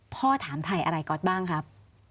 พ่อถามไทยอะไรก๊อตบ้างครับ